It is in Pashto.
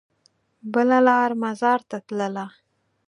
بله لار مزار ته تلله.